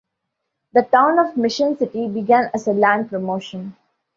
The Town of Mission City began as a land promotion.